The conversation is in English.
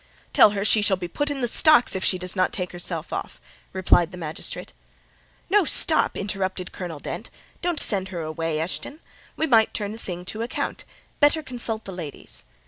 "Tell her she shall be put in the stocks if she does not take herself off," replied the magistrate. "No—stop!" interrupted Colonel Dent. "Don't send her away, Eshton; we might turn the thing to account; better consult the ladies."